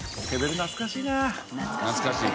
懐かしい。